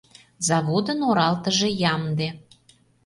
Заводын оралтыже ямде.